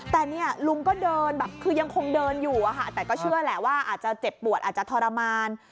แต่เนี่ยลุงก็เดินแบบคือยังคงเดินอยู่อะค่ะแต่ก็เชื่อแหละว่าอาจจะเจ็บปวดอาจจะทรมาน